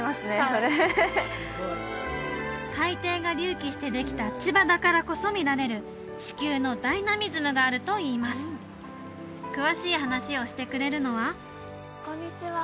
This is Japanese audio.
それ海底が隆起してできた千葉だからこそ見られる地球のダイナミズムがあるといいます詳しい話をしてくれるのはこんにちは